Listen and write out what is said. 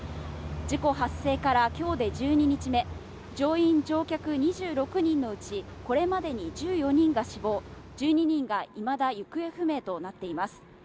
事故発生から今日で１２日目、乗員・乗客２６人のうち、これまでに１４人が死亡、１２人がいまだ行方不明となっています。